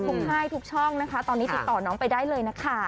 ค่ายทุกช่องนะคะตอนนี้ติดต่อน้องไปได้เลยนะคะ